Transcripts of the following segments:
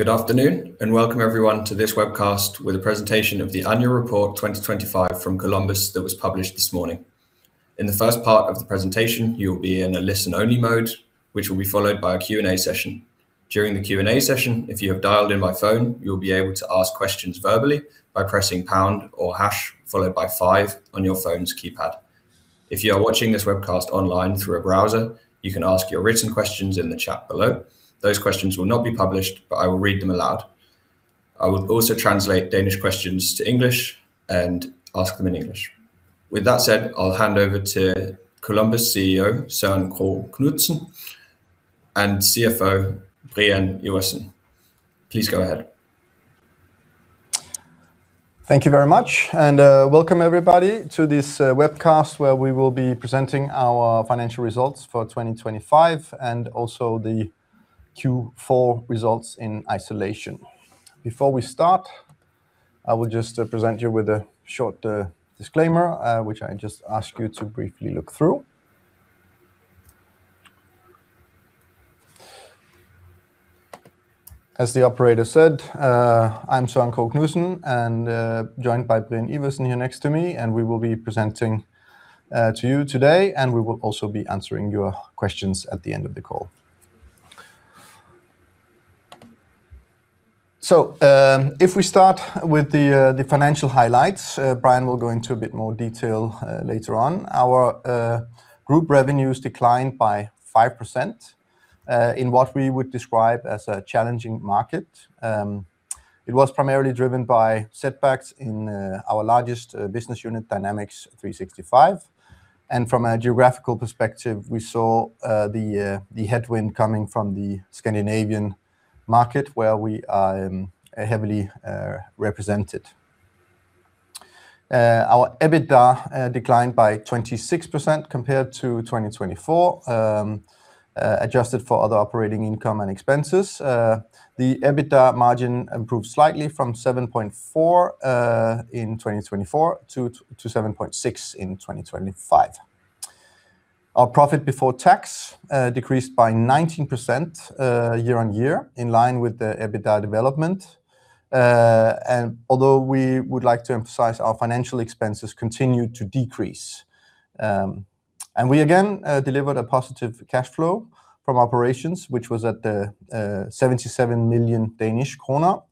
Good afternoon, and welcome everyone to this webcast with a presentation of the annual report 2025 from Columbus that was published this morning. In the first part of the presentation, you'll be in a listen-only mode, which will be followed by a Q&A session. During the Q&A session, if you have dialed in by phone, you'll be able to ask questions verbally by pressing pound or hash followed by five on your phone's keypad. If you are watching this webcast online through a browser, you can ask your written questions in the chat below. Those questions will not be published, but I will read them aloud. I will also translate Danish questions to English and ask them in English. With that said, I'll hand over to Columbus CEO Søren Krogh Knudsen and CFO Brian Iversen. Please go ahead. Thank you very much, and welcome everybody to this webcast where we will be presenting our financial results for 2025 and also the Q4 results in isolation. Before we start, I will just present you with a short disclaimer which I just ask you to briefly look through. As the operator said, I'm Søren Krogh Knudsen and joined by Brian Iversen here next to me, and we will be presenting to you today, and we will also be answering your questions at the end of the call. If we start with the financial highlights, Brian will go into a bit more detail later on. Our group revenues declined by 5% in what we would describe as a challenging market. It was primarily driven by setbacks in our largest business unit, Dynamics 365, and from a geographical perspective, we saw the headwind coming from the Scandinavian market where we are heavily represented. Our EBITDA declined by 26% compared to 2024, adjusted for other operating income and expenses. The EBITDA margin improved slightly from 7.4% in 2024 to 7.6% in 2025. Our profit before tax decreased by 19% year-on-year in line with the EBITDA development. Although we would like to emphasize our financial expenses continued to decrease. We again delivered a positive cash flow from operations, which was at 77 million Danish krone.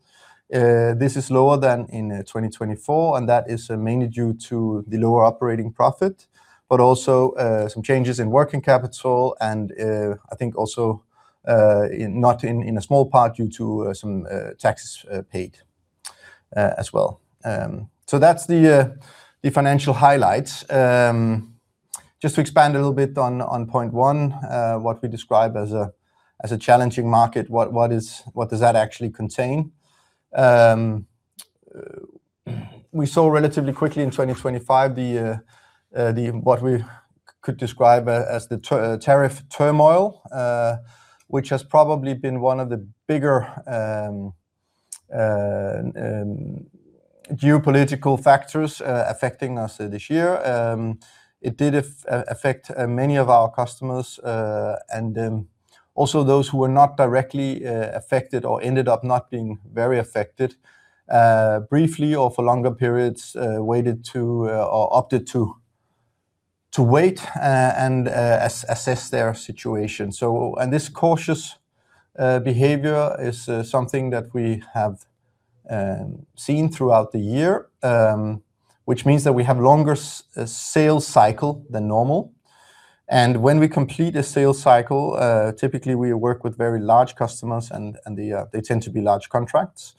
This is lower than in 2024, and that is mainly due to the lower operating profit, but also some changes in working capital and, I think also, in a small part due to some taxes paid as well. So that's the financial highlights. Just to expand a little bit on point one, what we describe as a challenging market, what does that actually contain? We saw relatively quickly in 2025 the what we could describe as the tariff turmoil, which has probably been one of the bigger geopolitical factors affecting us this year. It did affect many of our customers, and also those who were not directly affected or ended up not being very affected, briefly or for longer periods, waited to or opted to wait and assess their situation. This cautious behavior is something that we have seen throughout the year, which means that we have longer sales cycle than normal, when we complete a sales cycle, typically, we work with very large customers, and they tend to be large contracts.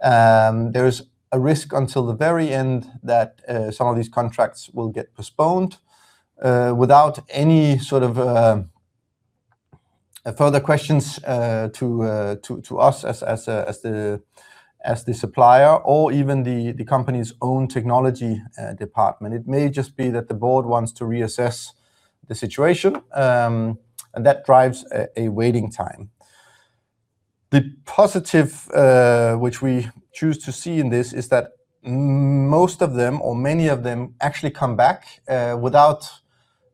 There is a risk until the very end that some of these contracts will get postponed without any sort of further questions to us as the supplier or even the company's own technology department. It may just be that the board wants to reassess the situation, and that drives a waiting time. T he positive, which we choose to see in this is that most of them or many of them actually come back,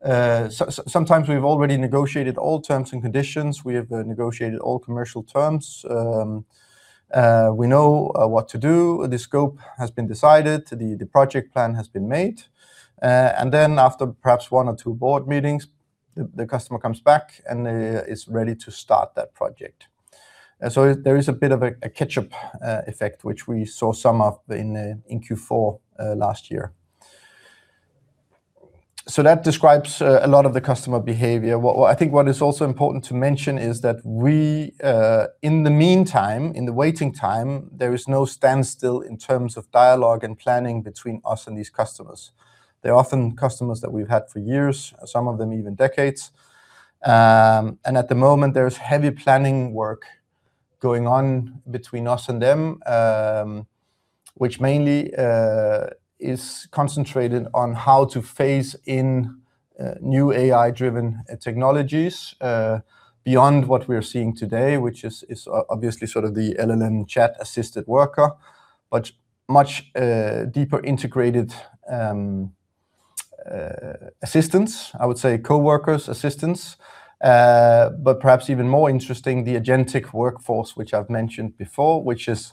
sometimes we've already negotiated all terms and conditions. We have negotiated all commercial terms. We know what to do. The scope has been decided. The project plan has been made. After perhaps one or two board meetings, the customer comes back, and is ready to start that project. There is a bit of a catch-up effect, which we saw some of in Q4 last year. That describes a lot of the customer behavior. I think what is also important to mention is that we, in the meantime, in the waiting time, there is no standstill in terms of dialogue and planning between us and these customers. They're often customers that we've had for years, some of them even decades. At the moment, there's heavy planning work going on between us and them, which mainly is concentrated on how to phase in new AI-driven technologies beyond what we're seeing today, which is obviously sort of the LLM chat-assisted worker, but much deeper integrated assistants. I would say coworkers, assistants, but perhaps even more interesting, the agentic workforce, which I've mentioned before, which is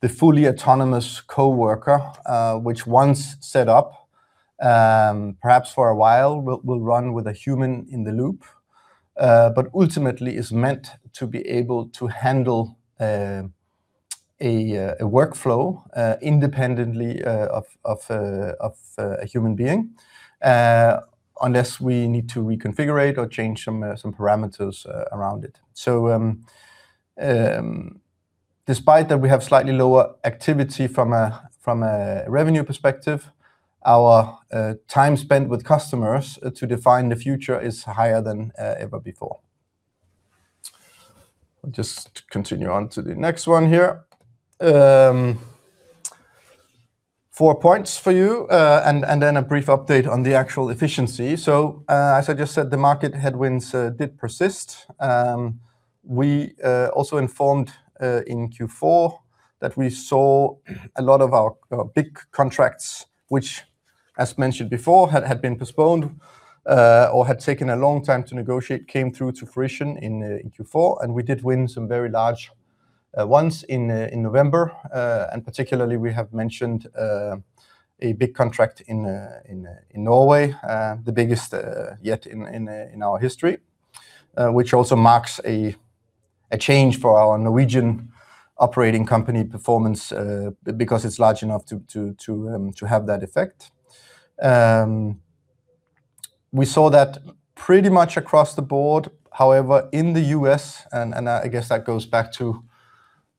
the fully autonomous coworker, which once set up, perhaps for a while, will run with a human in the loop, but ultimately is meant to be able to handle a workflow independently of a human being, unless we need to reconfigure it or change some parameters around it. Despite that we have slightly lower activity from a revenue perspective, our time spent with customers to define the future is higher than ever before. I'll just continue on to the next one here. Four points for you, and then a brief update on the actual efficiency. As I just said, the market headwinds did persist. We also informed in Q4 that we saw a lot of our big contracts, which as mentioned before, had been postponed or had taken a long time to negotiate, came through to fruition in Q4, and we did win some very large ones in November. Particularly we have mentioned a big contract in Norway, the biggest yet in our history, which also marks a change for our Norwegian operating company performance, because it's large enough to have that effect. We saw that pretty much across the board. However, in the U.S., I guess that goes back to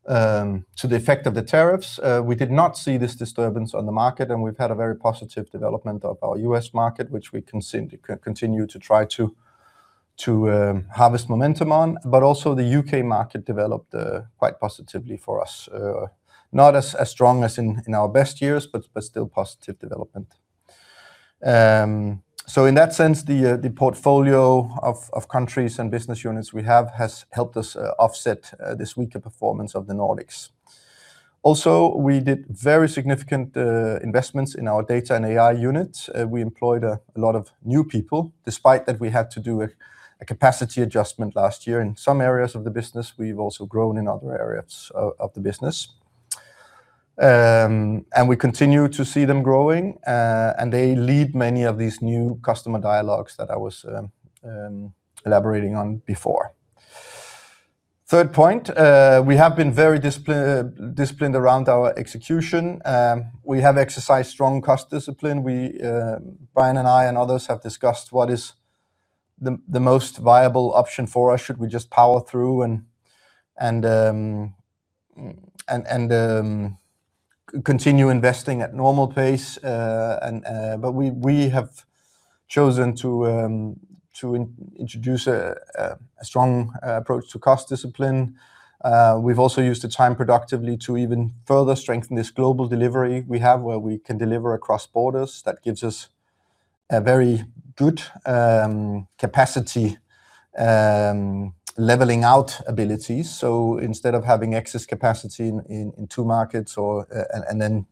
the effect of the tariffs, we did not see this disturbance on the market, and we've had a very positive development of our U.S. market, which we continue to try to harvest momentum on. Also the U.K. market developed quite positively for us. Not as strong as in our best years, but still positive development. In that sense, the portfolio of countries and business units we have has helped us offset this weaker performance of the Nordics. Also, we did very significant investments in our data and AI unit. We employed a lot of new people despite that we had to do a capacity adjustment last year in some areas of the business. We've also grown in other areas of the business. We continue to see them growing, and they lead many of these new customer dialogues that I was elaborating on before. Third point, we have been very disciplined around our execution. We have exercised strong cost discipline. We, Brian and I, and others have discussed what is the most viable option for us should we just power through and continue investing at normal pace. But we have chosen to introduce a strong approach to cost discipline. We've also used the time productively to even further strengthen this global delivery we have where we can deliver across borders. That gives us a very good capacity leveling out ability. Instead of having excess capacity in two markets or and then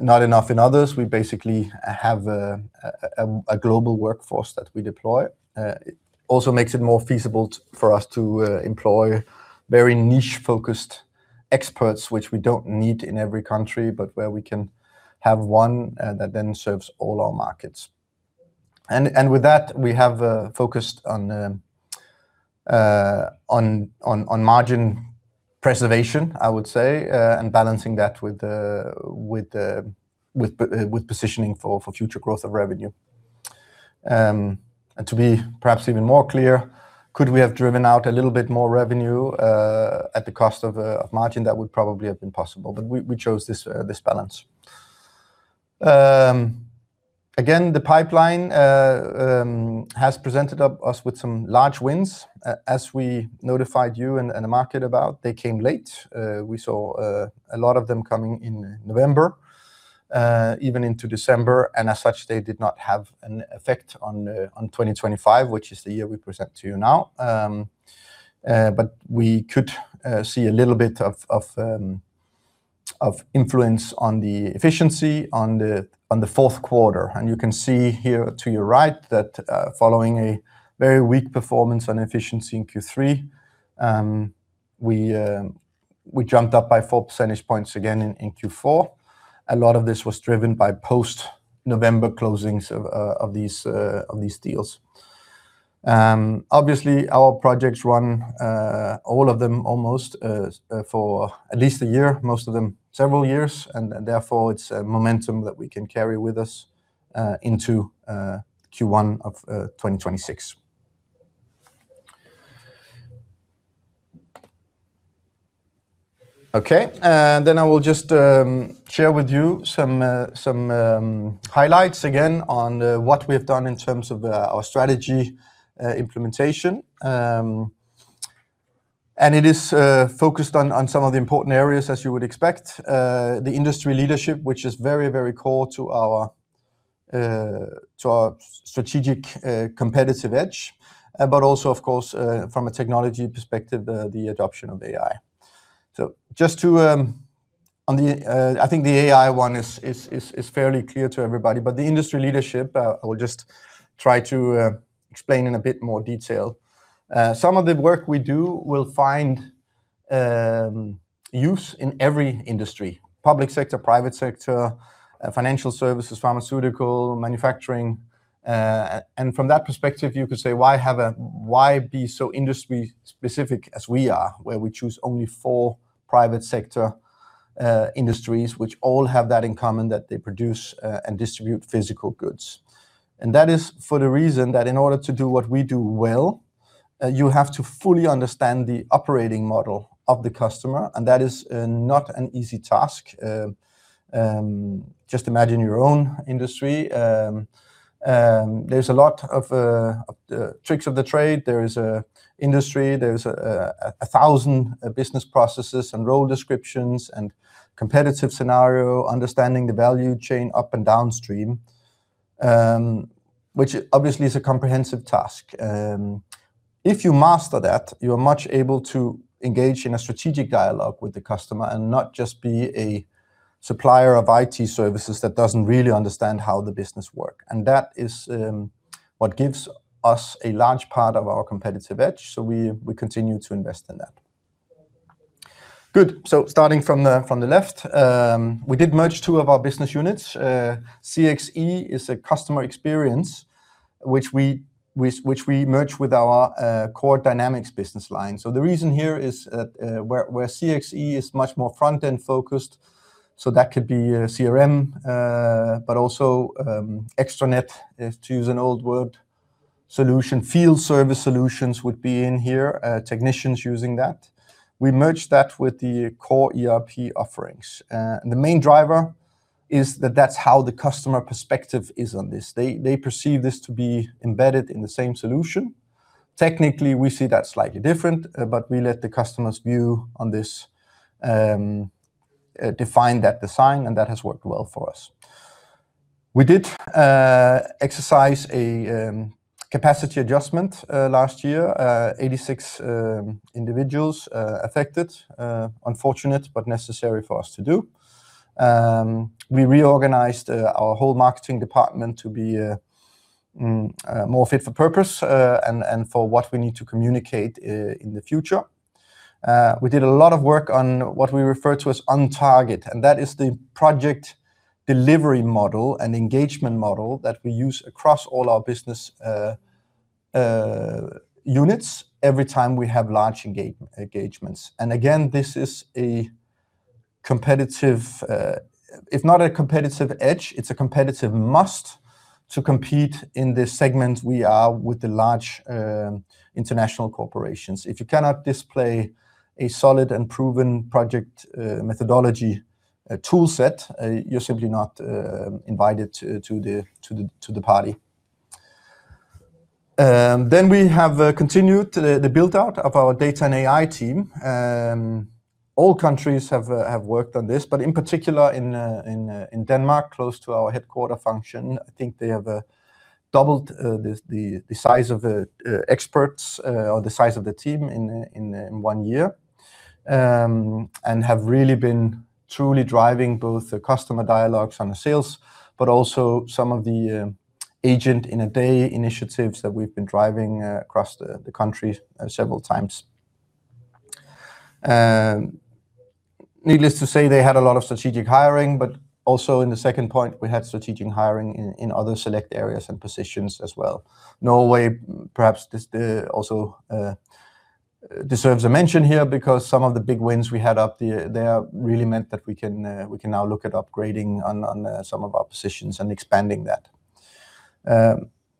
not enough in others, we basically have a global workforce that we deploy. It also makes it more feasible for us to employ very niche-focused experts, which we don't need in every country, but where we can have one that then serves all our markets. With that, we have focused on margin preservation, I would say, and balancing that with positioning for future growth of revenue. To be perhaps even more clear, could we have driven out a little bit more revenue at the cost of margin? That would probably have been possible, but we chose this balance. Again, the pipeline has presented us with some large wins. As we notified you and the market about, they came late. We saw a lot of them coming in November, even into December, and as such, they did not have an effect on 2025, which is the year we present to you now. But we could see a little bit of influence on the efficiency on the fourth quarter. You can see here to your right that following a very weak performance on efficiency in Q3, we jumped up by four percentage points again in Q4. A lot of this was driven by post-November closings of these deals. Obviously, our projects run, all of them almost, for at least a year, most of them several years, and therefore, it's a momentum that we can carry with us into Q1 of 2026. Okay. Then I will just share with you some highlights again on what we have done in terms of our strategy implementation. It is focused on some of the important areas, as you would expect. The industry leadership, which is very, very core to our, to our strategic, competitive edge, but also of course, from a technology perspective, the adoption of AI. Just to, on the, I think the AI one is fairly clear to everybody, the industry leadership, I will just try to explain in a bit more detail. Some of the work we do will find use in every industry, public sector, private sector, financial services, pharmaceutical, manufacturing. And from that perspective, you could say, why be so industry specific as we are, where we choose only four private sector industries which all have that in common, that they produce, and distribute physical goods? That is for the reason that in order to do what we do well, you have to fully understand the operating model of the customer, and that is not an easy task. Just imagine your own industry. There's a lot of the tricks of the trade. There's an industry, there's a thousand business processes and role descriptions and competitive scenario, understanding the value chain up and downstream, which obviously is a comprehensive task. If you master that, you're much able to engage in a strategic dialogue with the customer and not just be a supplier of IT services that doesn't really understand how the business work. That is what gives us a large part of our competitive edge, so we continue to invest in that. Good. Starting from the left, we did merge two of our business units. CXE is a customer experience which we merged with our core Dynamics business line. The reason here is that where CXE is much more front-end focused, so that could be CRM, but also extranet, to use an old word, solution. Field service solutions would be in here, technicians using that. We merged that with the core ERP offerings. The main driver is that that's how the customer perspective is on this. They perceive this to be embedded in the same solution. Technically, we see that slightly different, but we let the customer's view on this define that design, and that has worked well for us. We did exercise a capacity adjustment last year. 86 individuals affected. Unfortunate but necessary for us to do. We reorganized our whole marketing department to be more fit for purpose, and for what we need to communicate in the future. We did a lot of work on what we refer to as OnTarget, and that is the project delivery model and engagement model that we use across all our business units every time we have large engagements. Again, this is a competitive, if not a competitive edge, it's a competitive must to compete in this segment we are with the large international corporations. If you cannot display a solid and proven project methodology tool set, you're simply not invited to the party. We have continued the build-out of our data and AI team. All countries have worked on this, but in particular in Denmark, close to our headquarters function, I think they have doubled the size of the experts or the size of the team in one year, and have really been truly driving both the customer dialogues and the sales, but also some of the Agent in a Day initiatives that we've been driving across the country several times. Needless to say, they had a lot of strategic hiring, but also in the second point, we had strategic hiring in other select areas and positions as well. Norway perhaps also deserves a mention here because some of the big wins we had up there really meant that we can now look at upgrading on some of our positions and expanding that.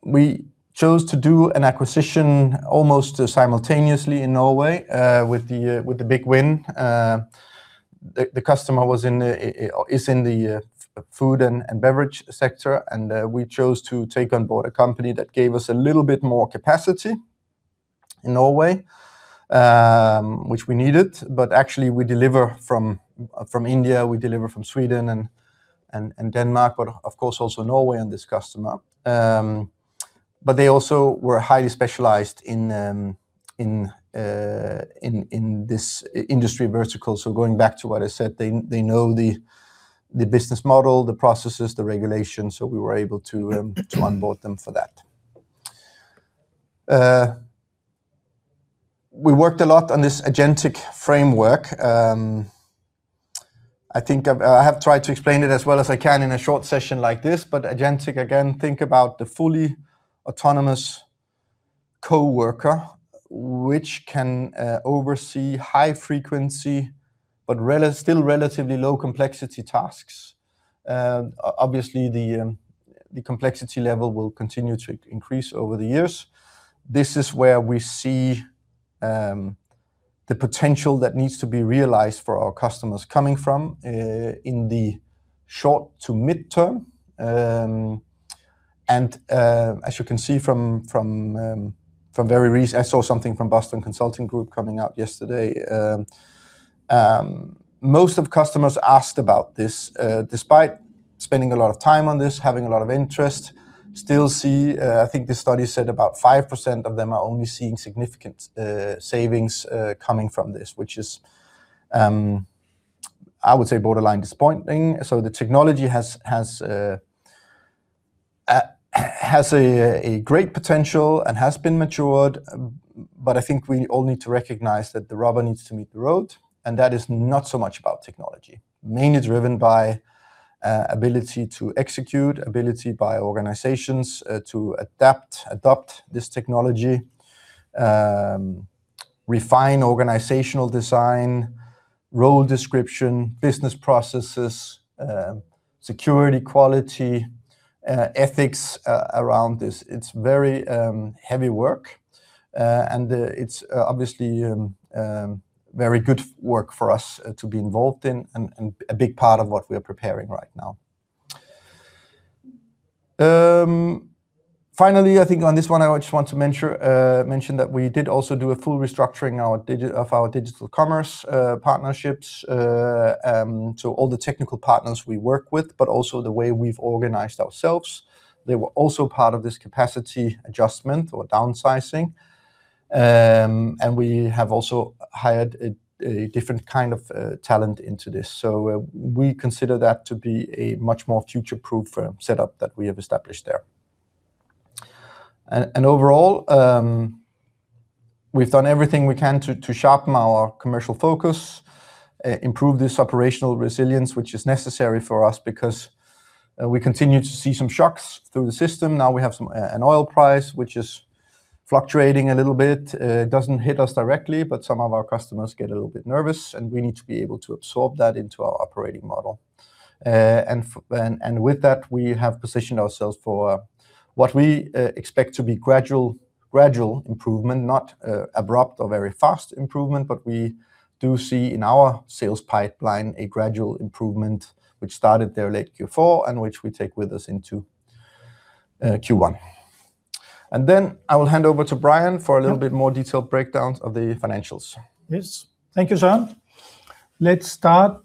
We chose to do an acquisition almost simultaneously in Norway with the big win. The customer was in the food and beverage sector, and we chose to take on board a company that gave us a little bit more capacity in Norway, which we needed. Actually we deliver from India, we deliver from Sweden and Denmark, but of course also Norway and this customer. They also were highly specialized in this industry vertical. Going back to what I said, they know the business model, the processes, the regulations, so we were able to onboard them for that. We worked a lot on this agentic framework. I think I have tried to explain it as well as I can in a short session like this, but agentic, again, think about the fully autonomous coworker which can oversee high frequency but still relatively low complexity tasks. Obviously the complexity level will continue to increase over the years. This is where we see the potential that needs to be realized for our customers coming from in the short- to medium-term. As you can see, I saw something from Boston Consulting Group coming out yesterday. Most customers asked about this, despite spending a lot of time on this, having a lot of interest. I think this study said about 5% of them are only seeing significant savings coming from this, which is, I would say, borderline disappointing. The technology has a great potential and has been matured, but I think we all need to recognize that the rubber needs to meet the road, and that is not so much about technology. Mainly driven by ability to execute, ability by organizations to adapt, adopt this technology, refine organizational design, role description, business processes, security, quality, ethics around this. It's very heavy work and it's obviously very good work for us to be involved in and a big part of what we're preparing right now. Finally, I think on this one I just want to mention that we did also do a full restructuring of our digital commerce partnerships, so all the technical partners we work with, but also the way we've organized ourselves. They were also part of this capacity adjustment or downsizing. And we have also hired a different kind of talent into this. We consider that to be a much more future-proof setup that we have established there. Overall, we've done everything we can to sharpen our commercial focus, improve this operational resilience, which is necessary for us because we continue to see some shocks through the system. Now we have an oil price which is fluctuating a little bit. It doesn't hit us directly, but some of our customers get a little bit nervous, and we need to be able to absorb that into our operating model. With that, we have positioned ourselves for what we expect to be gradual improvement, not abrupt or very fast improvement, but we do see in our sales pipeline a gradual improvement, which started there late Q4 and which we take with us into Q1. I will hand over to Brian for a little bit more detailed breakdowns of the financials. Yes. Thank you, Søren. Let's start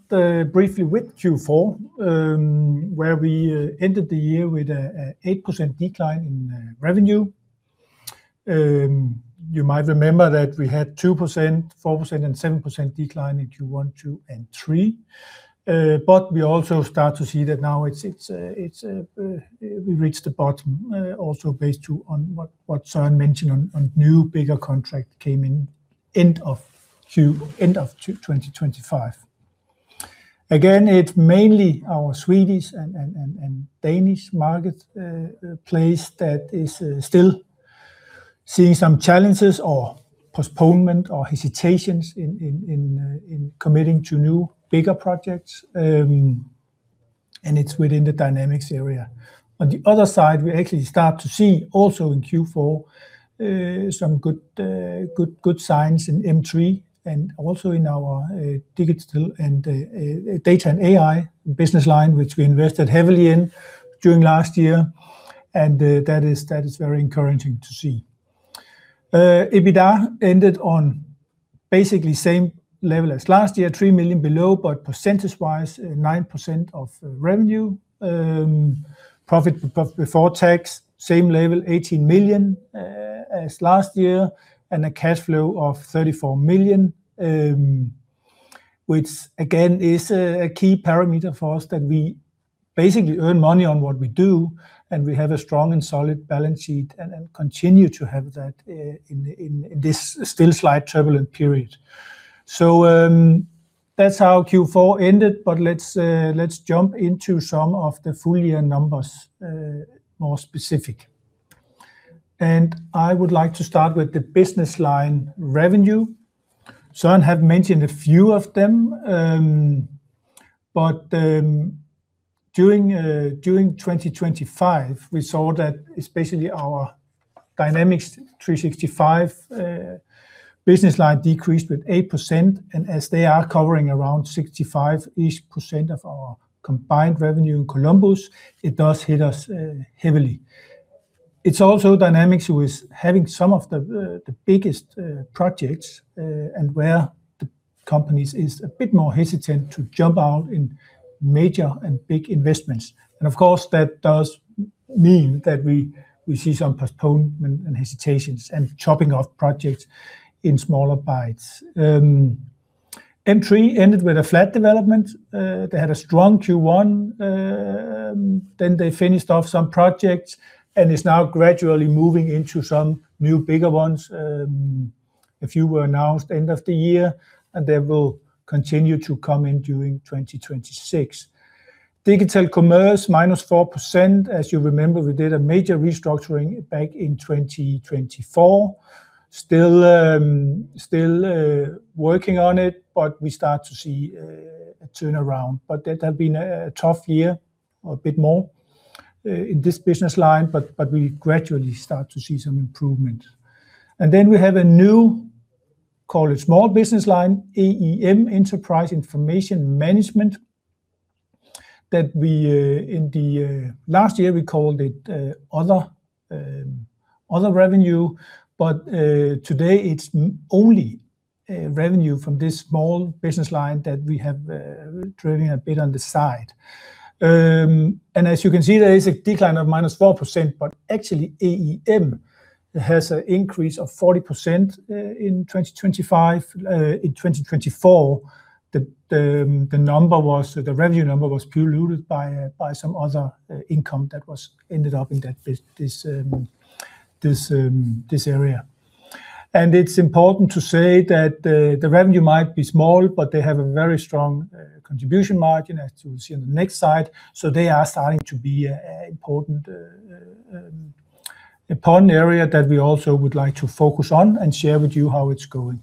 briefly with Q4, where we ended the year with an 8% decline in revenue. You might remember that we had 2%, 4%, and 7% decline in Q1, Q2, and Q3. We also start to see that now it's we reached the bottom, also based on what Søren mentioned on new bigger contract came in end of Q4 2025. Again, it's mainly our Swedish and Danish marketplace that is still seeing some challenges or postponement or hesitations in committing to new bigger projects, and it's within the Dynamics area. On the other side, we actually start to see also in Q4 some good signs in M3 and also in our digital and data and AI business line, which we invested heavily in during last year, and that is very encouraging to see. EBITDA ended on basically same level as last year, 3 million below, but percentage-wise 9% of revenue. Profit before tax same level, 18 million, as last year, and a cash flow of 34 million, which again is a key parameter for us that we basically earn money on what we do, and we have a strong and solid balance sheet and continue to have that in this still slightly turbulent period. That's how Q4 ended, but let's jump into some of the full year numbers, more specific. I would like to start with the business line revenue. Søren have mentioned a few of them, but during 2025, we saw that especially our Dynamics 365 business line decreased with 8%, and as they are covering around 65-ish% of our combined revenue in Columbus, it does hit us heavily. It's also Dynamics who is having some of the biggest projects, and where the companies is a bit more hesitant to jump out in major and big investments. Of course, that does mean that we see some postponement and hesitations and chopping off projects in smaller bites. M3 ended with a flat development. They had a strong Q1. They finished off some projects and is now gradually moving into some new bigger ones. A few were announced end of the year, and they will continue to come in during 2026. Digital commerce, -4%. As you remember, we did a major restructuring back in 2024. Still working on it, but we start to see a turnaround. That have been a tough year or a bit more in this business line, but we gradually start to see some improvement. Then we have a new, call it small business line, EIM, Enterprise Information Management, that we in the last year we called it other revenue, but today it's only revenue from this small business line that we have driven a bit on the side. As you can see, there is a decline of -4%, but actually EIM has an increase of 40% in 2024. The revenue number was diluted by some other income that ended up in this area. It's important to say that the revenue might be small, but they have a very strong contribution margin, as you will see on the next slide. They are starting to be an important area that we also would like to focus on and share with you how it's going.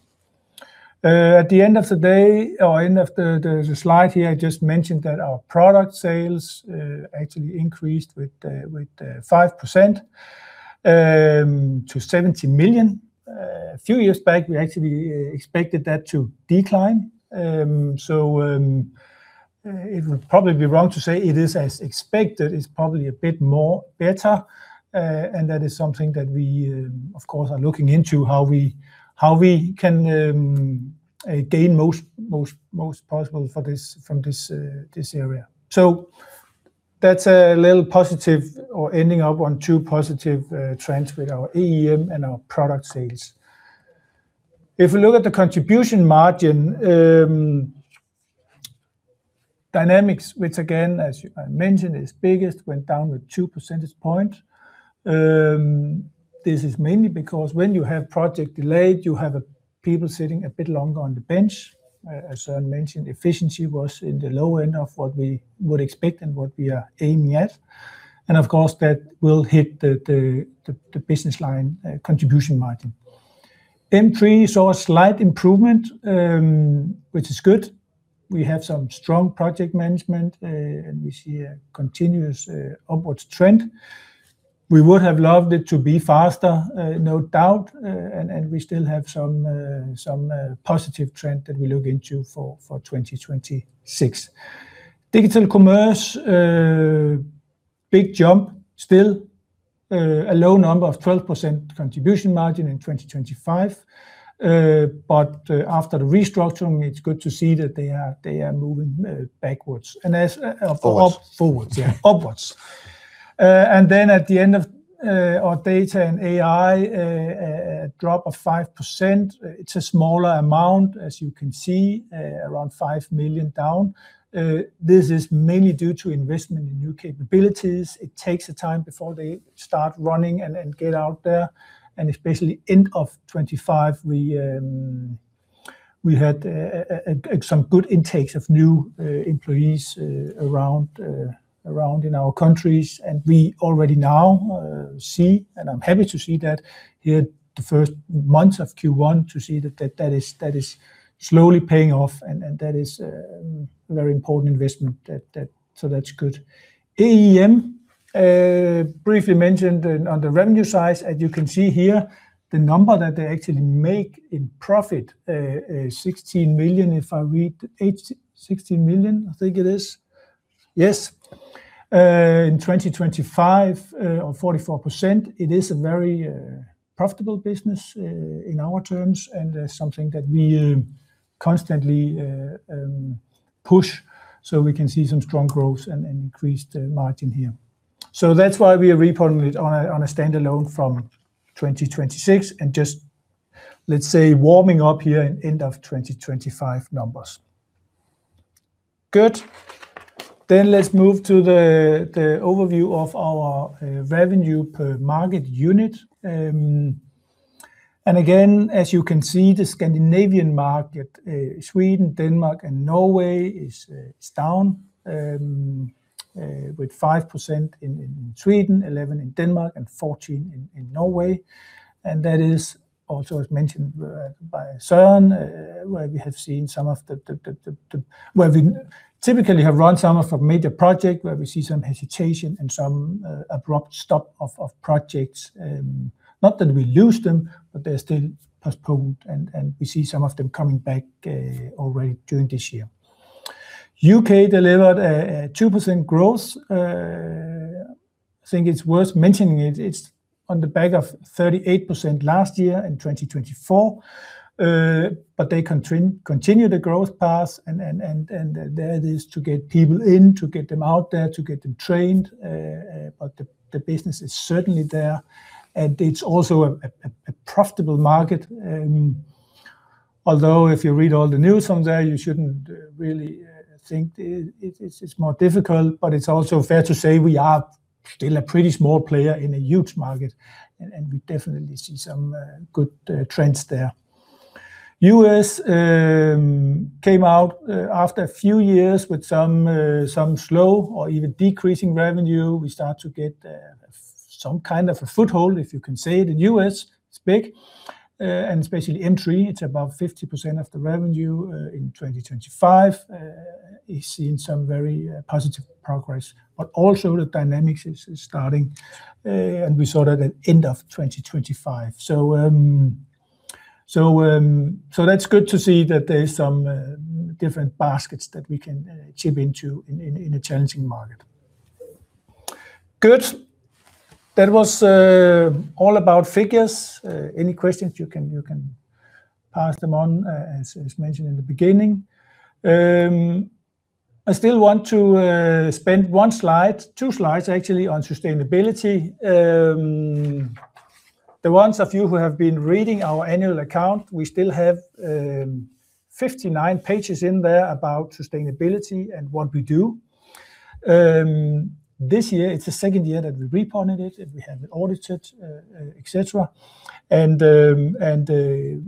At the end of the day or end of the slide here, I just mentioned that our product sales actually increased by 5% to 70 million. A few years back, we actually expected that to decline. It would probably be wrong to say it is as expected. It's probably a bit more better. That is something that we, of course, are looking into how we can gain most possible from this area. That's a little positive or ending up on two positive trends with our EIM and our product sales. If we look at the contribution margin Dynamics, which again, as I mentioned, is biggest, went down by two percentage points. This is mainly because when you have project delayed, you have people sitting a bit longer on the bench. As Søren mentioned, efficiency was in the low end of what we would expect and what we are aiming at. Of course, that will hit the business line contribution margin. M3 saw a slight improvement, which is good. We have some strong project management, and we see a continuous upwards trend. We would have loved it to be faster, no doubt. We still have some positive trend that we look into for 2026. Digital commerce, big jump still, a low number of 12% contribution margin in 2025. But after the restructuring, it's good to see that they are moving backwards. Forwards, yeah. Upwards. Then at the end of our data and AI, a drop of 5%, it's a smaller amount, as you can see, around 5 million down. This is mainly due to investment in new capabilities. It takes time before they start running and then get out there. Especially end of 2025, we had some good intakes of new employees around in our countries. We already now see, and I'm happy to see that in the first months of Q1 that is slowly paying off. That is a very important investment. So that's good. EIM, briefly mentioned on the revenue side, as you can see here, the number that they actually make in profit is 16 million, I think it is. In 2025, or 44%, it is a very profitable business in our terms, and something that we constantly push, so we can see some strong growth and increased margin here. That's why we are reporting it on a standalone from 2026 and just, let's say, warming up here in end of 2025 numbers. Good. Let's move to the overview of our revenue per market unit. Again, as you can see, the Scandinavian market, Sweden, Denmark, and Norway is down with 5% in Sweden, 11% in Denmark, and 14% in Norway. That is also, as mentioned by Søren, where we typically have run some of our major project, where we see some hesitation and some abrupt stop of projects. Not that we lose them, but they're still postponed, and we see some of them coming back already during this year. U.K. delivered a 2% growth. I think it's worth mentioning it. It's on the back of 38% last year in 2024. They continue the growth path and that is to get people in, to get them out there, to get them trained. The business is certainly there. It's also a profitable market. Although if you read all the news from there, you shouldn't really think it's more difficult, but it's also fair to say we are still a pretty small player in a huge market. We definitely see some good trends there. U.S. came out after a few years with some slow or even decreasing revenue. We start to get some kind of a foothold, if you can say it, in U.S. It's big. Especially M3, it's about 50% of the revenue in 2025 is seeing some very positive progress. Also the Dynamics is starting, and we saw that at end of 2025. that's good to see that there's some different baskets that we can dip into in a challenging market. Good. That was all about figures. any questions you can pass them on as mentioned in the beginning. I still want to spend one slide, two slides actually on sustainability. the ones of you who have been reading our annual account, we still have 59 pages in there about sustainability and what we do. this year it's the second year that we reported it, and we have it audited, et cetera. We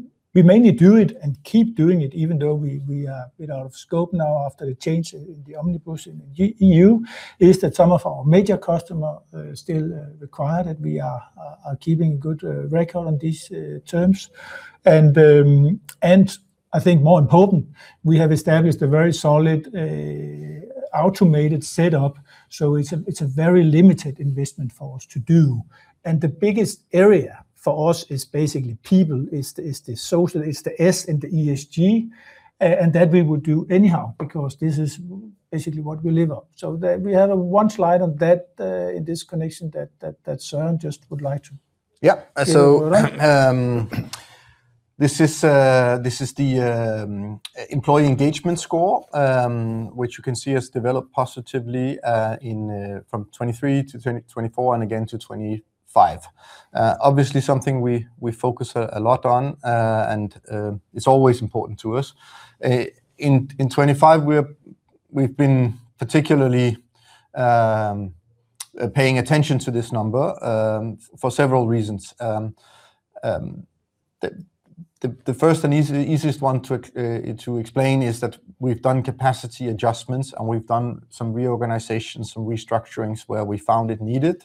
mainly do it and keep doing it even though we are a bit out of scope now after the change in the Omnibus in EU. It's that some of our major customers still require that we are keeping good records on these terms. I think more important, we have established a very solid automated setup, so it's a very limited investment for us to do. The biggest area for us is basically people. It's the social, it's the S in the ESG. That we would do anyhow because this is basically what we live on. We have one slide on that in this connection that Søren just would like to- Yeah. Share with everyone. This is the employee engagement score, which you can see has developed positively, from 2023 to 2024 and again to 2025. Obviously something we focus a lot on, and it's always important to us. In 2025 we've been particularly paying attention to this number, for several reasons. The first and easiest one to explain is that we've done capacity adjustments, and we've done some reorganization, some restructurings where we found it needed.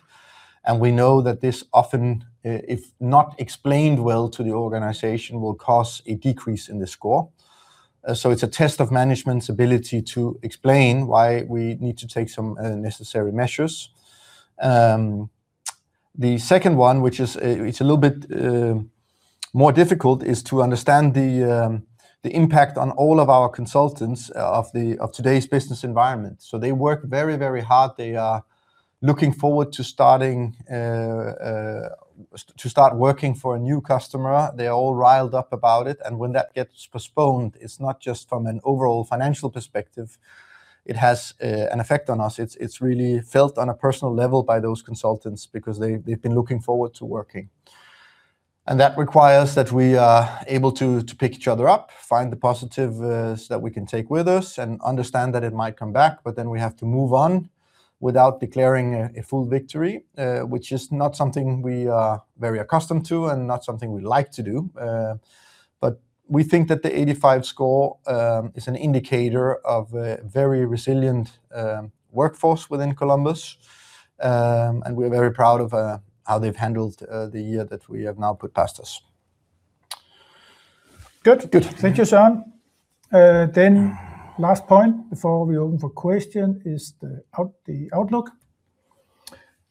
We know that this often, if not explained well to the organization, will cause a decrease in the score. It's a test of management's ability to explain why we need to take some necessary measures. The second one, which is, it's a little bit more difficult, is to understand the impact on all of our consultants of today's business environment. They work very hard. They are looking forward to starting to work for a new customer. They're all riled up about it. When that gets postponed, it's not just from an overall financial perspective, it has an effect on us. It's really felt on a personal level by those consultants because they've been looking forward to working. That requires that we are able to pick each other up, find the positives that we can take with us, and understand that it might come back, but then we have to move on without declaring a full victory, which is not something we are very accustomed to and not something we like to do. We think that the 85 score is an indicator of a very resilient workforce within Columbus. We're very proud of how they've handled the year that we have now put past us. Good. Thank you, Søren. Last point before we open for questions is the outlook.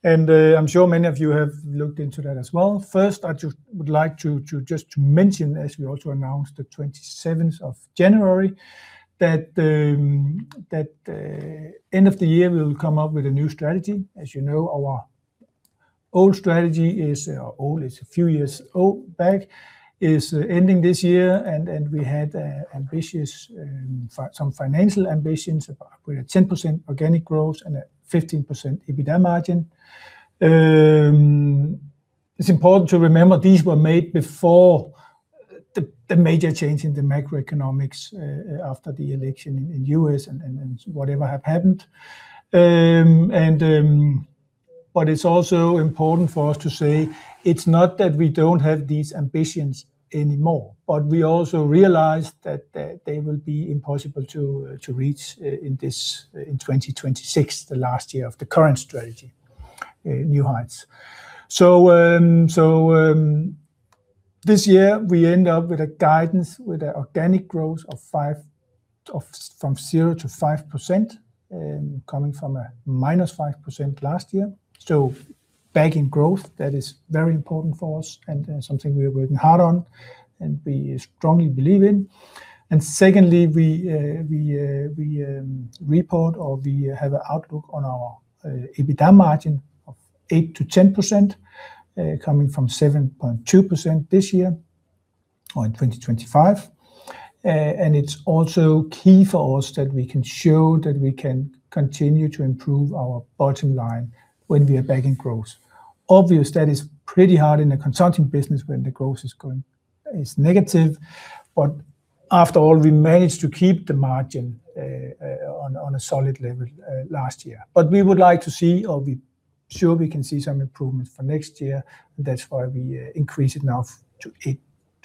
I'm sure many of you have looked into that as well. First, I just would like to mention, as we also announced the 27th of January, that end of the year we'll come up with a new strategy. As you know, our old strategy is old. It's a few years old. Back is ending this year, and we had ambitious some financial ambitions with a 10% organic growth and a 15% EBITDA margin. It's important to remember these were made before the major change in the macroeconomics, after the election in the U.S. and whatever have happened. It's also important for us to say it's not that we don't have these ambitions anymore, but we also realize that they will be impossible to reach in 2026, the last year of the current strategy, New Heights. This year we end up with a guidance with an organic growth from 0%-5%, coming from -5% last year. Back in growth, that is very important for us and something we are working hard on and we strongly believe in. Secondly, we report or we have an outlook on our EBITDA margin of 8%-10%, coming from 7.2% this year or in 2025. It's also key for us that we can show that we can continue to improve our bottom line when we are back in growth. Obviously, that is pretty hard in a consulting business when the growth is negative, but after all, we managed to keep the margin on a solid level last year. We would like to see or be sure we can see some improvements for next year. That's why we increase it now to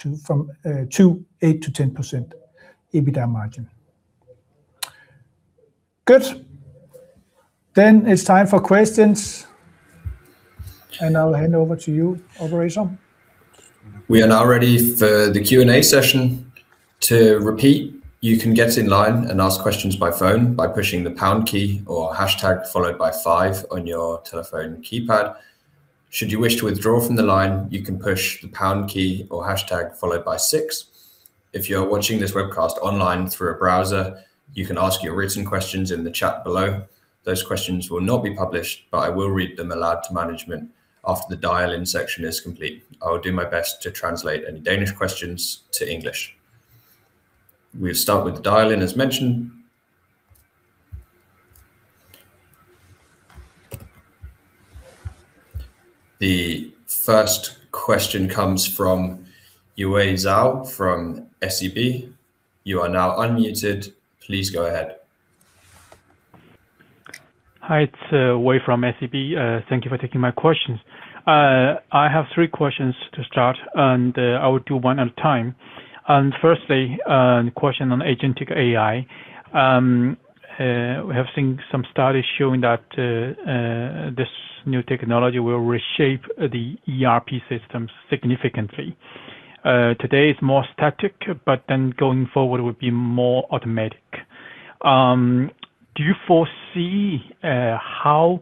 8%-10% EBITDA margin. Good. It's time for questions, and I'll hand over to you, operator. We are now ready for the Q&A session. To repeat, you can get in line and ask questions by phone by pushing the pound key or hashtag followed by five on your telephone keypad. Should you wish to withdraw from the line, you can push the pound key or hashtag followed by six. If you are watching this webcast online through a browser, you can ask your written questions in the chat below. Those questions will not be published, but I will read them aloud to management after the dial-in section is complete. I will do my best to translate any Danish questions to English. We'll start with the dial-in as mentioned. The first question comes from Yue Zhao from SEB. You are now unmuted. Please go ahead. Hi, it's Yue from SEB. Thank you for taking my questions. I have three questions to start, and I will do one at a time. Firstly, the question on agentic AI. We have seen some studies showing that this new technology will reshape the ERP systems significantly. Today it's more static, but then going forward will be more automatic. Do you foresee how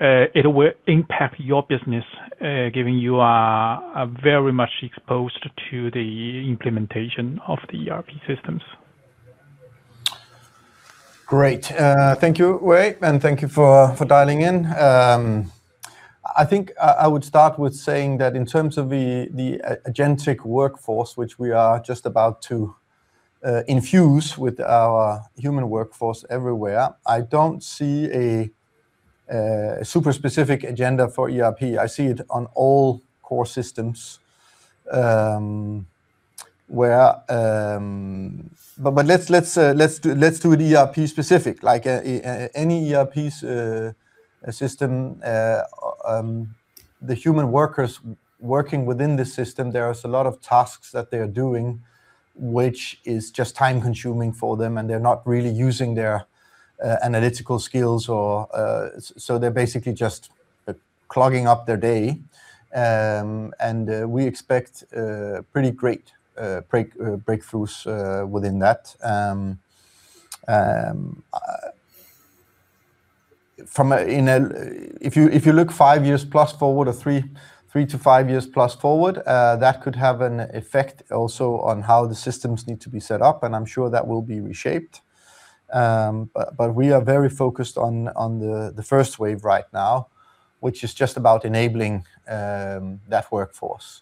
it will impact your business given you are very much exposed to the implementation of the ERP systems? Great. Thank you, Yue, and thank you for dialing in. I think I would start with saying that in terms of the agentic workforce, which we are just about to infuse with our human workforce everywhere, I don't see a super specific agenda for ERP. I see it on all core systems. Let's do it ERP specific. Like, any ERP system, the human workers working within the system, there is a lot of tasks that they're doing which is just time-consuming for them, and they're not really using their analytical skills or so they're basically just clogging up their day. We expect pretty great breakthroughs within that. If you look 5+ years forward or 3-5+ years forward, that could have an effect also on how the systems need to be set up, and I'm sure that will be reshaped. We are very focused on the first wave right now, which is just about enabling that workforce.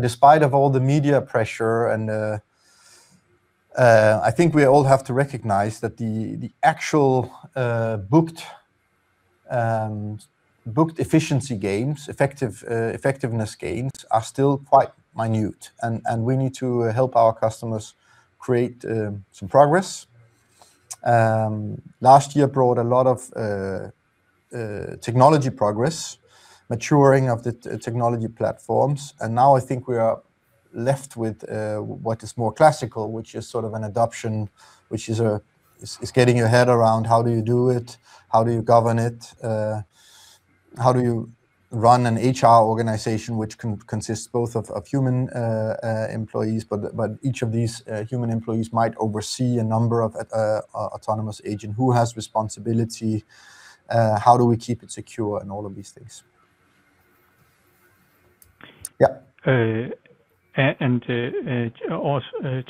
Despite of all the media pressure, I think we all have to recognize that the actual booked efficiency gains, effectiveness gains are still quite minute and we need to help our customers create some progress. Last year brought a lot of technology progress, maturing of the technology platforms, and now I think we are left with what is more classical, which is sort of an adoption, which is getting your head around how do you do it? How do you govern it? How do you run an HR organization which consists both of human employees, but each of these human employees might oversee a number of autonomous agent? Who has responsibility? How do we keep it secure, and all of these things. Yeah.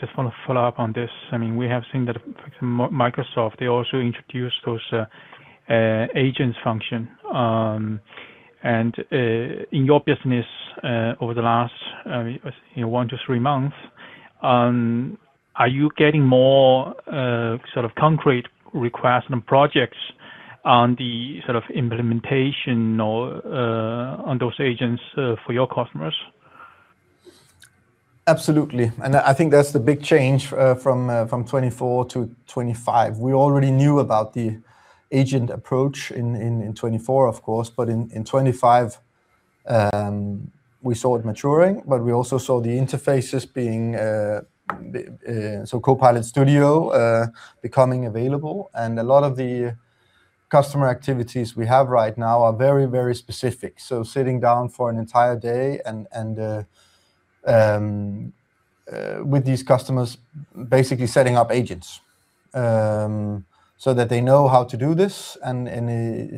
Just wanna follow up on this. I mean, we have seen that Microsoft, they also introduced those agents function. In your business, over the last, you know, 1-3 months, are you getting more sort of concrete requests and projects on the sort of implementation or on those agents for your customers? Absolutely. I think that's the big change from 2024 to 2025. We already knew about the agent approach in 2024, of course, but in 2025, we saw it maturing, but we also saw the interfaces being so Copilot Studio becoming available. A lot of the customer activities we have right now are very specific. Sitting down for an entire day with these customers basically setting up agents so that they know how to do this and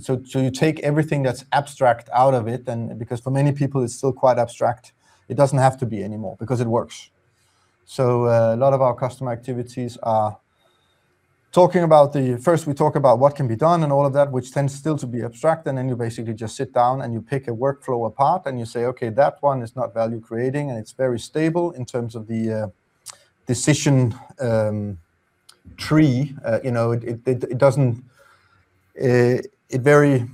so you take everything that's abstract out of it and because for many people it's still quite abstract. It doesn't have to be anymore because it works. A lot of our customer activities are talking about the first we talk about what can be done and all of that, which tends still to be abstract, and then you basically just sit down and you pick a workflow apart and you say, "Okay, that one is not value creating, and it's very stable in terms of the decision tree." You know, it doesn't vary.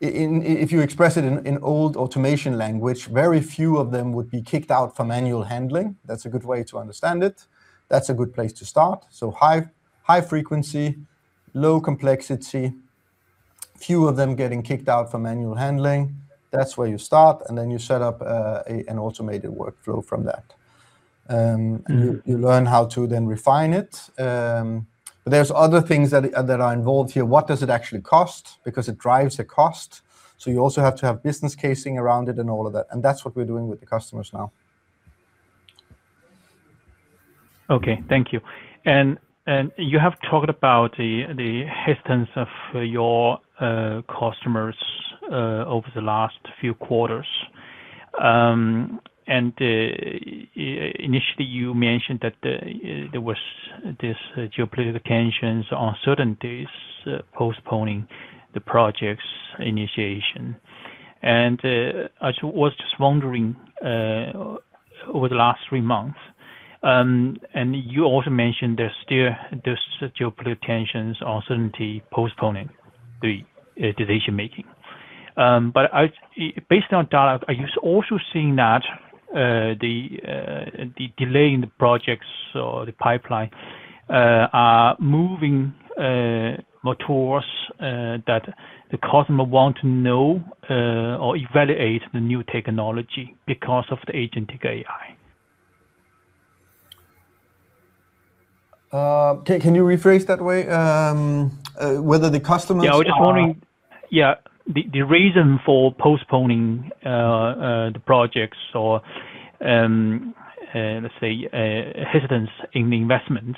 If you express it in old automation language, very few of them would be kicked out for manual handling. That's a good way to understand it. That's a good place to start. High frequency, low complexity, few of them getting kicked out for manual handling. That's where you start, and then you set up an automated workflow from that. Mm-hmm. You learn how to then refine it. There's other things that are involved here. What does it actually cost? Because it drives the cost, so you also have to have business case around it and all of that, and that's what we're doing with the customers now. Okay. Thank you. You have talked about the hesitance of your customers over the last few quarters. Initially you mentioned that there was this geopolitical tensions, uncertainties postponing the project's initiation. I was just wondering over the last three months, and you also mentioned there's still this geopolitical tensions, uncertainty postponing the decision-making. Based on data, are you also seeing that the delay in the projects or the pipeline are moving more towards that the customer want to know or evaluate the new technology because of the agentic AI? Can you rephrase that way? Whether the customers are Yeah. Just wondering. Yeah. The reason for postponing the projects or, let's say, hesitance in the investment,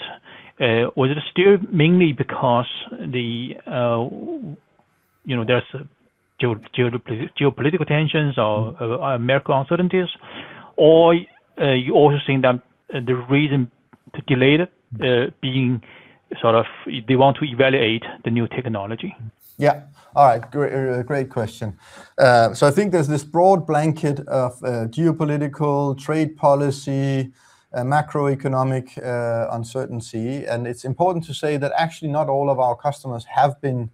was it still mainly because the, you know, there's geopolitical tensions or market uncertainties? You also think that the reason to delay it being sort of they want to evaluate the new technology? Yeah. All right. Great. Great question. So I think there's this broad blanket of geopolitical trade policy and macroeconomic uncertainty. It's important to say that actually not all of our customers have been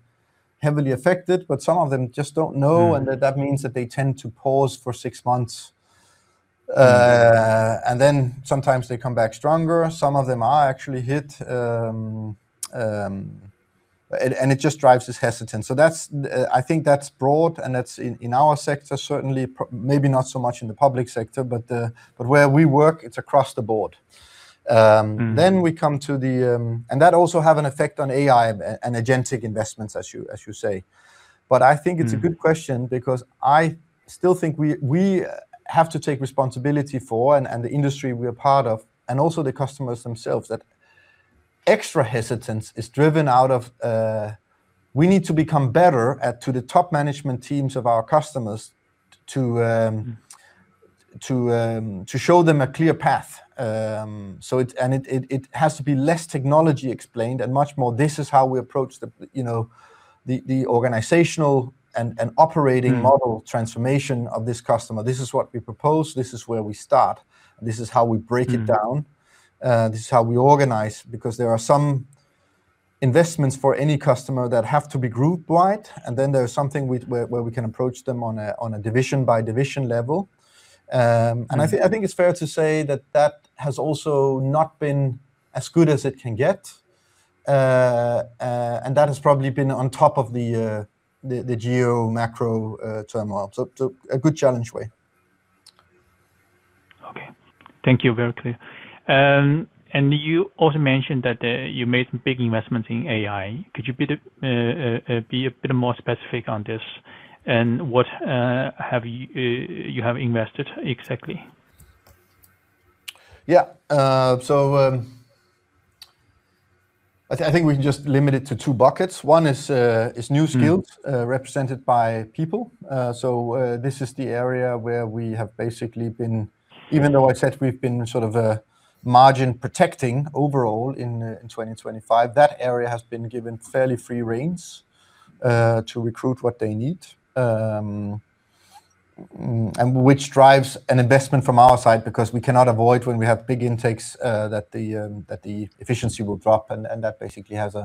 heavily affected, but some of them just don't know- Mm-hmm. That means that they tend to pause for six months. Mm-hmm. sometimes they come back stronger. Some of them are actually hit, and it just drives this hesitance. That's, I think that's broad and that's in our sector, certainly maybe not so much in the public sector, but where we work, it's across the board. Mm-hmm. That also have an effect on AI and agentic investments, as you say. I think it's a good question because I still think we have to take responsibility for and the industry we are part of, and also the customers themselves, that extra hesitance is driven out of, we need to become better at to the top management teams of our customers to show them a clear path. It has to be less technology explained and much more this is how we approach the, you know, the organizational and operating model transformation of this customer. This is what we propose. This is where we start. This is how we break it down. Mm-hmm. This is how we organize, because there are some investments for any customer that have to be group-wide, and then there's something where we can approach them on a division-by-division level. Mm-hmm. I think it's fair to say that has also not been as good as it can get. That has probably been on top of the geo macro turmoil. A good challenging year. Okay. Thank you. Very clear. You also mentioned that you made some big investments in AI. Could you be a bit more specific on this? What have you invested exactly? I think we can just limit it to two buckets. One is new skills. Mm-hmm. represented by people. This is the area where we have basically been even though I said we've been sort of margin protecting overall in 2025, that area has been given fairly free rein to recruit what they need. Which drives an investment from our side because we cannot avoid when we have big intakes that the efficiency will drop and that basically has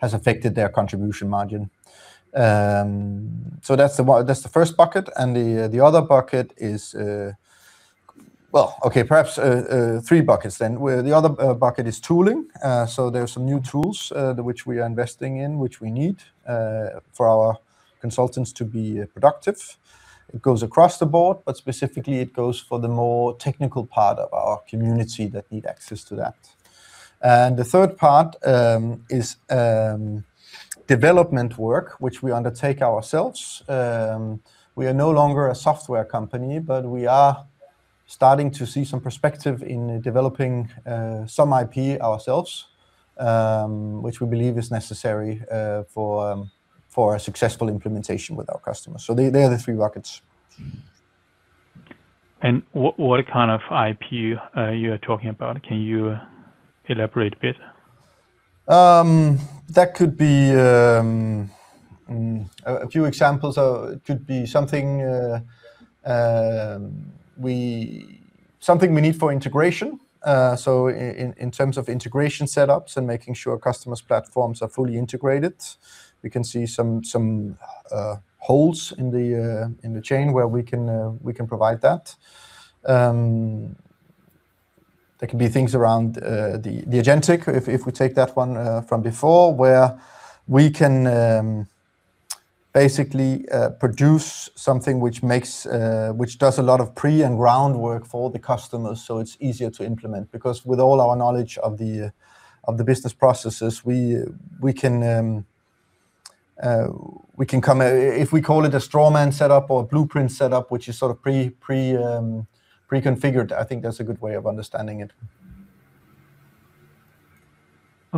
affected their contribution margin. That's the one, that's the first bucket. The other bucket is. Well, okay, perhaps three buckets then. Where the other bucket is tooling. There are some new tools which we are investing in, which we need for our consultants to be productive. It goes across the board, but specifically it goes for the more technical part of our community that need access to that. The third part is development work which we undertake ourselves. We are no longer a software company, but we are starting to see some perspective in developing some IP ourselves, which we believe is necessary for a successful implementation with our customers. They are the three buckets. What kind of IP are you talking about? Can you elaborate a bit? That could be a few examples of something we need for integration. In terms of integration setups and making sure customers' platforms are fully integrated. We can see some holes in the chain where we can provide that. There can be things around the agentic, if we take that one from before, where we can basically produce something which does a lot of prep and groundwork for the customers so it's easier to implement. Because with all our knowledge of the business processes, we can if we call it a strawman setup or a blueprint setup, which is sort of pre-configured, I think that's a good way of understanding it.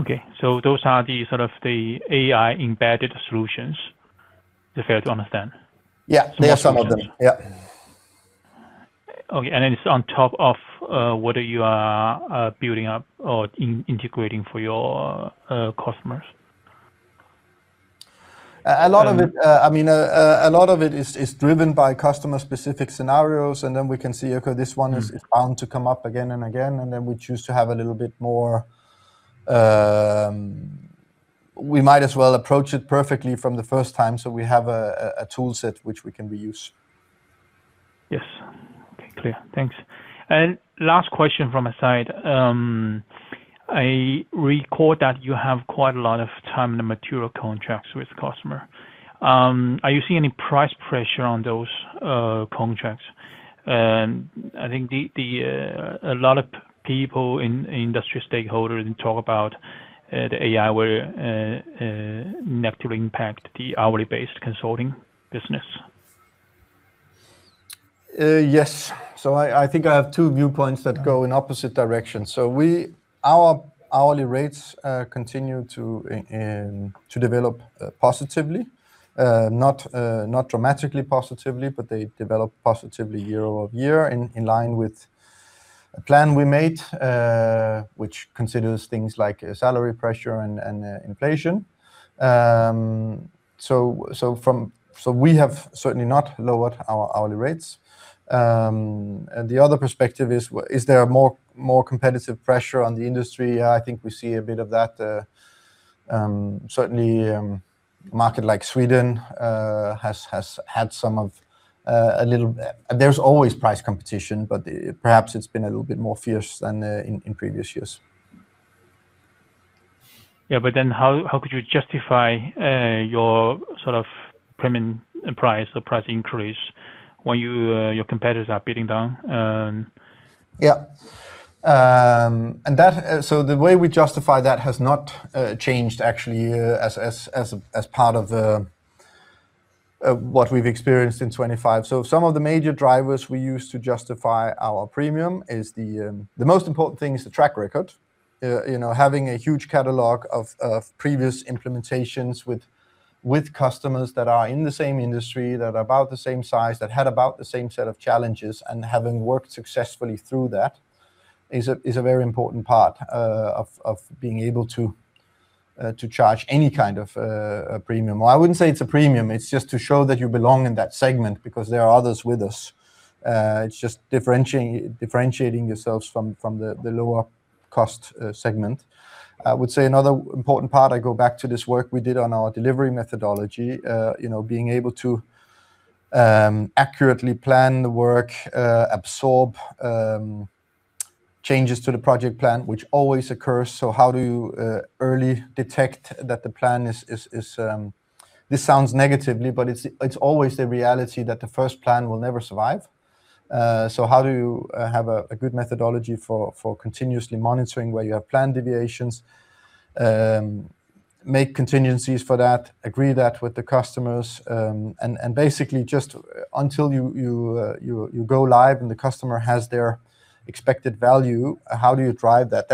Okay. Those are the sort of the AI-embedded solutions, if I understand? Yeah. They are some of them. Yeah. Okay. It's on top of what you are building up or integrating for your customers? A lot of it, I mean, is driven by customer-specific scenarios, and then we can see, okay, this one is bound to come up again and again, and then we choose to have a little bit more. We might as well approach it perfectly from the first time, so we have a toolset which we can reuse. Yes. Okay. Clear. Thanks. Last question from my side. I recall that you have quite a lot of time and material contracts with customer. Are you seeing any price pressure on those contracts? I think that a lot of people in industry stakeholders talk about the AI will negatively impact the hourly-based consulting business. Yes. I think I have two viewpoints that go in opposite directions. Our hourly rates continue to develop positively. Not dramatically positively, but they develop positively year-over-year in line with a plan we made, which considers things like salary pressure and inflation. We have certainly not lowered our hourly rates. The other perspective is there more competitive pressure on the industry? I think we see a bit of that. Certainly, a market like Sweden has had some of a little. There's always price competition, but perhaps it's been a little bit more fierce than in previous years. Yeah. How could you justify your sort of premium price or price increase when your competitors are bidding down? Yeah. The way we justify that has not changed actually as part of what we've experienced in 2025. Some of the major drivers we use to justify our premium is the most important thing is the track record. You know, having a huge catalog of previous implementations with customers that are in the same industry, that are about the same size, that had about the same set of challenges, and having worked successfully through that is a very important part of being able to charge any kind of a premium. Well, I wouldn't say it's a premium. It's just to show that you belong in that segment because there are others with us. It's just differentiating yourselves from the lower cost segment. I would say another important part. I go back to this work we did on our delivery methodology. You know, being able to accurately plan the work, absorb changes to the project plan, which always occurs. How do you early detect that the plan is? This sounds negative, but it's always the reality that the first plan will never survive. How do you have a good methodology for continuously monitoring where you have plan deviations, make contingencies for that, agree that with the customers, and basically just until you go live and the customer has their expected value, how do you drive that?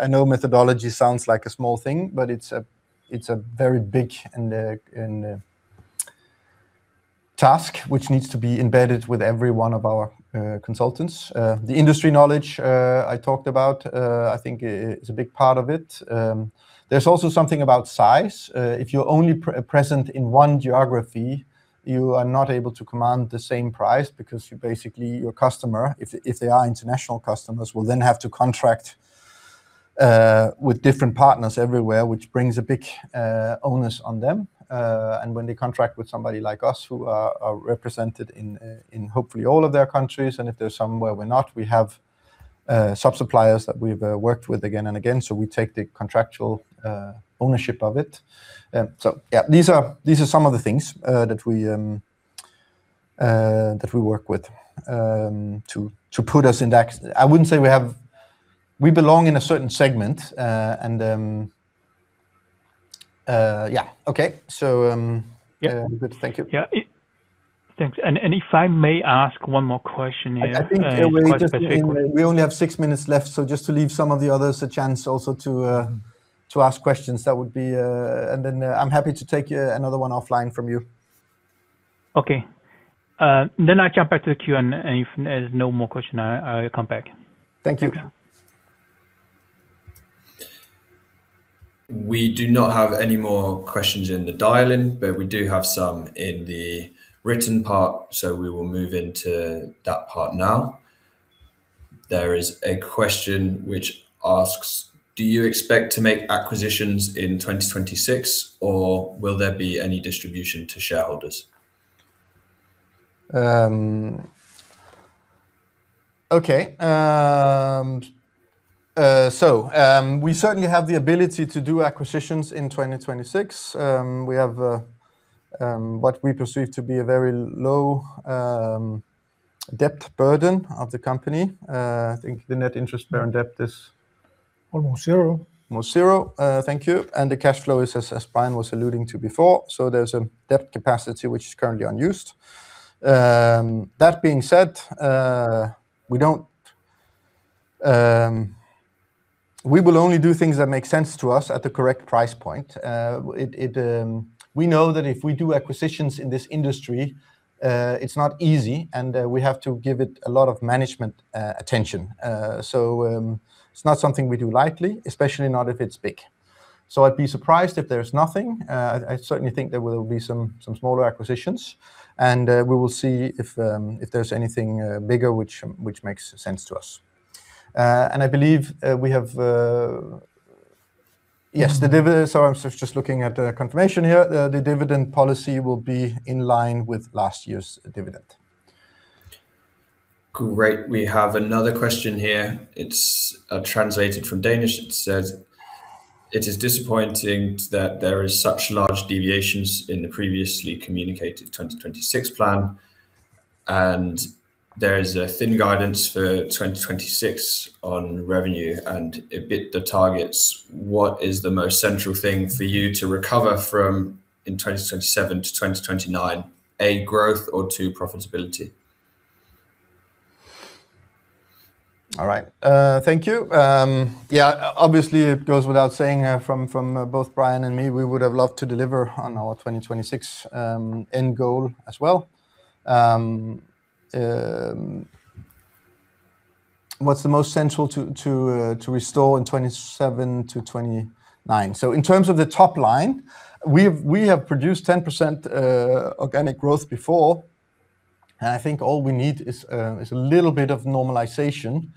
I know methodology sounds like a small thing, but it's a very big and task which needs to be embedded with every one of our consultants. The industry knowledge I talked about, I think, is a big part of it. There's also something about size. If you're only present in one geography, you are not able to command the same price because basically, your customer, if they are international customers, will then have to contract with different partners everywhere, which brings a big onus on them. When they contract with somebody like us who are represented in hopefully all of their countries, and if there's somewhere we're not, we have sub-suppliers that we've worked with again and again, so we take the contractual ownership of it. Yeah, these are some of the things that we work with to put us in that. We belong in a certain segment. Yeah. Okay. Yeah. Good. Thank you. Yeah. Thanks. If I may ask one more question here. I think, Yue Zhao, just quickly, we only have six minutes left, so just to leave some of the others a chance also to ask questions, that would be. I'm happy to take another one offline from you. Okay. I jump back to the queue, and if there's no more question, I come back. Thank you. Okay. We do not have any more questions in the dial-in, but we do have some in the written part, so we will move into that part now. There is a question which asks, do you expect to make acquisitions in 2026 or will there be any distribution to shareholders? We certainly have the ability to do acquisitions in 2026. We have what we perceive to be a very low debt burden of the company. I think the net interest bearing debt is- Almost zero. Almost zero, thank you. The cash flow is, as Brian was alluding to before, so there's a debt capacity which is currently unused. That being said, we will only do things that make sense to us at the correct price point. We know that if we do acquisitions in this industry, it's not easy, and we have to give it a lot of management attention. It's not something we do lightly, especially not if it's big. I'd be surprised if there's nothing. I certainly think there will be some smaller acquisitions, and we will see if there's anything bigger which makes sense to us. I believe, yes, the dividend. I was just looking at the confirmation here. The dividend policy will be in line with last year's dividend. Great. We have another question here. It's translated from Danish. It says, "It is disappointing that there is such large deviations in the previously communicated 2026 plan, and there is a thin guidance for 2026 on revenue and EBITDA targets. What is the most central thing for you to recover from in 2027 to 2029? A, growth or, two, profitability? All right. Thank you. Yeah, obviously, it goes without saying, from both Brian and me, we would have loved to deliver on our 2026 end goal as well. What's the most central to restore in 2027-2029? In terms of the top line, we have produced 10% organic growth before, and I think all we need is a little bit of normalization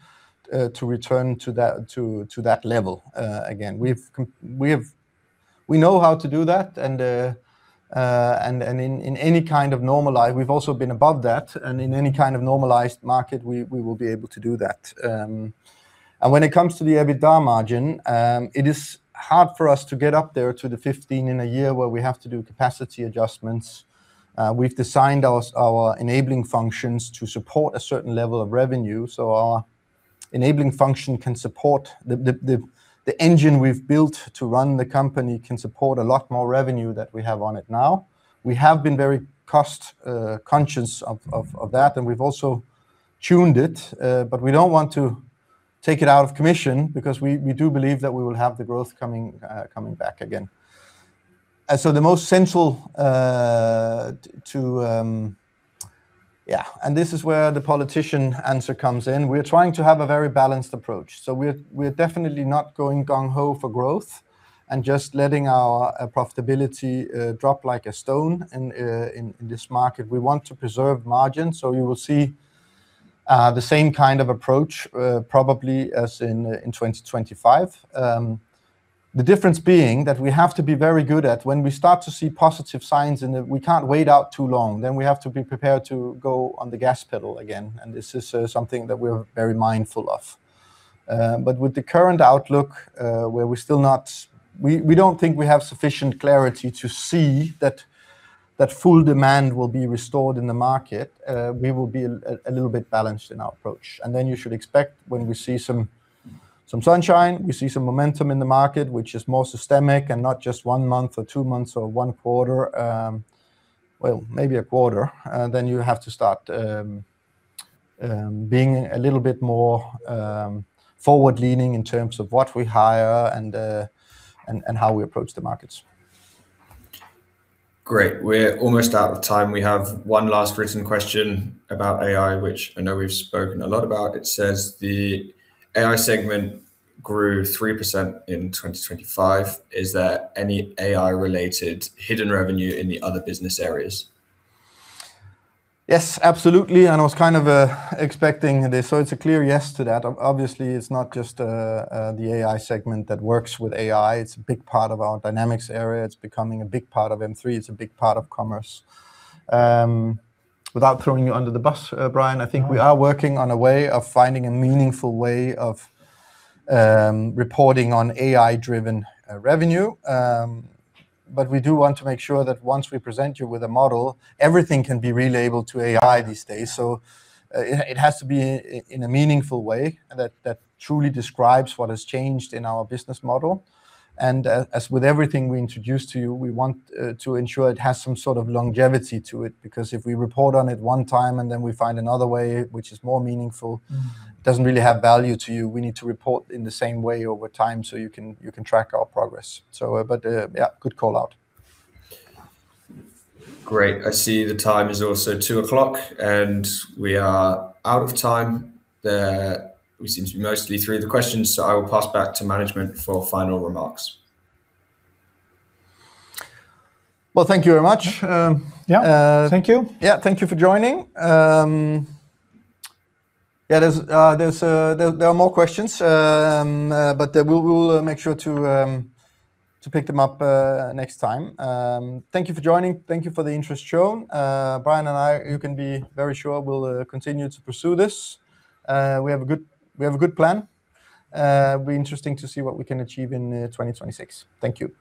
to return to that level again. We know how to do that, and we've also been above that, and in any kind of normalized market, we will be able to do that. When it comes to the EBITDA margin, it is hard for us to get up there to the 15% in a year where we have to do capacity adjustments. We've designed our enabling functions to support a certain level of revenue, so our enabling function can support the engine we've built to run the company can support a lot more revenue than we have on it now. We have been very cost conscious of that, and we've also tuned it, but we don't want to take it out of commission because we do believe that we will have the growth coming back again. This is where the political answer comes in. We're trying to have a very balanced approach. We're definitely not going gung ho for growth and just letting our profitability drop like a stone in this market. We want to preserve margin, so you will see the same kind of approach probably as in 2025. The difference being that we have to be very good at when we start to see positive signs and that we can't wait out too long, then we have to be prepared to go on the gas pedal again, and this is something that we're very mindful of. With the current outlook, where we're still not. We don't think we have sufficient clarity to see that full demand will be restored in the market. We will be a little bit balanced in our approach. You should expect when we see some sunshine, we see some momentum in the market, which is more systemic and not just one month or two months or one quarter, well, maybe a quarter, then you have to start being a little bit more forward-leaning in terms of what we hire and how we approach the markets. Great. We're almost out of time. We have one last written question about AI, which I know we've spoken a lot about. It says, "The AI segment grew 3% in 2025. Is there any AI-related hidden revenue in the other business areas? Yes, absolutely, I was kind of expecting this. It's a clear yes to that. Obviously, it's not just the AI segment that works with AI. It's a big part of our Dynamics area. It's becoming a big part of M3. It's a big part of commerce. Without throwing you under the bus, Brian, I think we are working on a way of finding a meaningful way of reporting on AI-driven revenue. We do want to make sure that once we present you with a model, everything can be relabeled to AI these days. It has to be in a meaningful way that truly describes what has changed in our business model. As with everything we introduce to you, we want to ensure it has some sort of longevity to it, because if we report on it one time, and then we find another way which is more meaningful, doesn't really have value to you. We need to report in the same way over time, so you can track our progress. Yeah, good call-out. Great. I see the time is also 2:00, and we are out of time. We seem to be mostly through the questions, so I will pass back to management for final remarks. Well, thank you very much. Yeah. Thank you. Yeah. Thank you for joining. There are more questions, but we will make sure to pick them up next time. Thank you for joining. Thank you for the interest shown. Brian and I, you can be very sure we'll continue to pursue this. We have a good plan. It'll be interesting to see what we can achieve in 2026. Thank you.